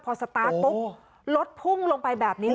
พอสตาร์ทลดภุ่มลงไปแบบนี้